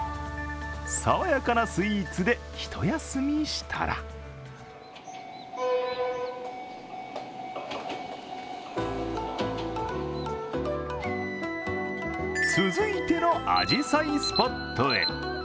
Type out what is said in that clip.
爽やかなスイーツで一休みしたら続いてのあじさいスポットへ。